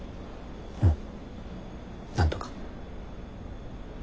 うんなんとか。